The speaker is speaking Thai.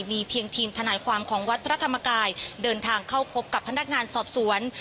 มีเพียงทีมทนายความของวัดพระธรรมกายเดินทางเข้าพบกับพนักงานสอบสวน